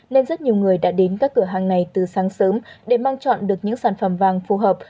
nên rất nhiều người đã đến các cửa hàng này từ sáng sớm để mang chọn được những sản phẩm vàng phù hợp